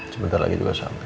sebentar lagi juga sampai